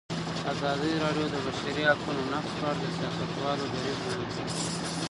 ازادي راډیو د د بشري حقونو نقض په اړه د سیاستوالو دریځ بیان کړی.